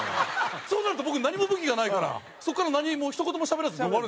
そうなると僕何も武器がないからそこから何もひと言もしゃべらず終わるんですよ